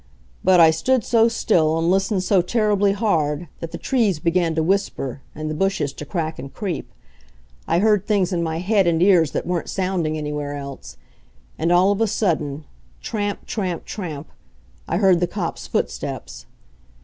But I stood so still and listened so terribly hard that the trees began to whisper and the bushes to crack and creep. I heard things in my head and ears that weren't sounding anywhere else. And all of a sudden tramp, tramp, tramp I heard the cop's footsteps.